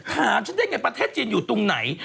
ถามฉันด้วยไงประเทศเจียนอยู่ตรงไหน